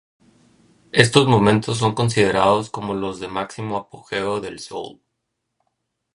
Estos momentos son considerados como los de máximo apogeo del soul.